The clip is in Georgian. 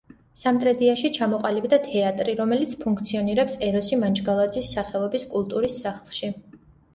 სამტრედიაში ჩამოყალიბდა თეატრი, რომელიც ფუნქციონირებს ეროსი მანჯგალაძის სახელობის კულტურის სახლში.